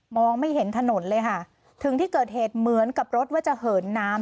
ไม่เห็นถนนเลยค่ะถึงที่เกิดเหตุเหมือนกับรถว่าจะเหินน้ำ